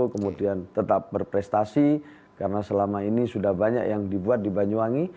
kemudian tetap berprestasi karena selama ini sudah banyak yang dibuat di banyuwangi